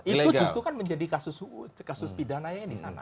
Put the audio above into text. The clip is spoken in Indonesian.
itu justru kan menjadi kasus pidananya di sana